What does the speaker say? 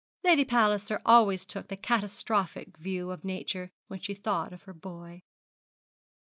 Lady Palliser always took the catastrophic view of nature when she thought of her boy.